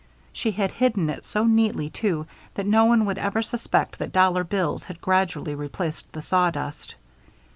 She had hidden it so neatly, too, that no one would ever suspect that dollar bills had gradually replaced the sawdust.